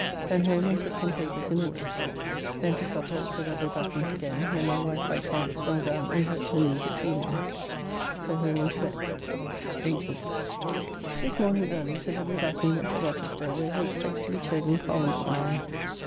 Then home, and put some papers in order. Then to supper at Sir W. Batten's again, where my wife by chance fell down and hurt her knees exceedingly. So home and to bed. 18th. This morning early Sir W. Batten went to Rochester, where he expects to be chosen Parliament man.